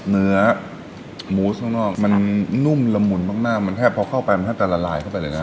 เนื้อมูสข้างนอกมันนุ่มละมุนมากมันแทบพอเข้าไปมันแทบจะละลายเข้าไปเลยนะ